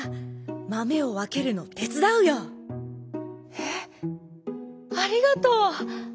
「えっ！ありがとう。